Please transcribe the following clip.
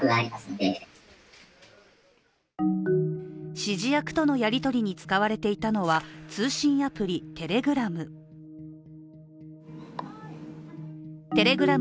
指示役とのやりとりに使われていたのは通信アプリＴｅｌｅｇｒａｍ。